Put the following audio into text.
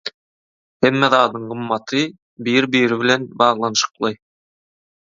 Hemme zadyň gymmaty bir-biri bilen baglanşykly.